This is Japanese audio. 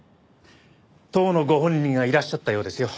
当のご本人がいらっしゃったようですよ。